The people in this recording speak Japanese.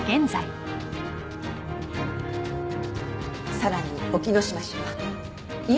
さらに沖野島氏は今でも。